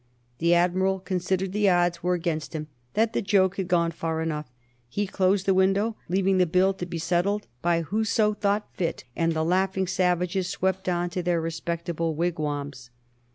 The admiral considered the odds were against him, that the joke had gone far enough. He closed the window, leaving the bill to be settled by whoso thought fit, and the laughing savages swept on to their respectable wigwams.